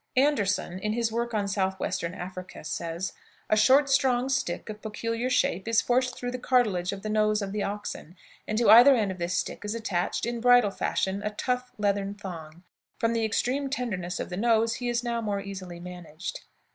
Andersson, in his work on Southwestern Africa, says: "A short strong stick, of peculiar shape, is forced through the cartilage of the nose of the ox, and to either end of this stick is attached (in bridle fashion) a tough leathern thong. From the extreme tenderness of the nose he is now more easily managed."